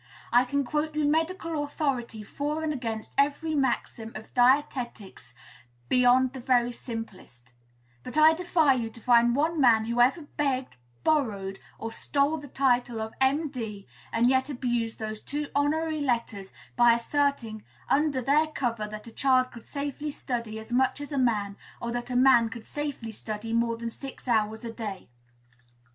I can quote you medical authority for and against every maxim of dietetics beyond the very simplest; but I defy you to find one man who ever begged, borrowed, or stole the title of M.D., and yet abused those two honorary letters by asserting under their cover that a child could safely study as much as a man, or that a man could safely study more than six hours a day."